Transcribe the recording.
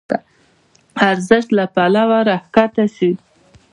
ارزش له پلوه راکښته شي.